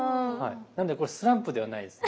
なのでこれスランプではないです。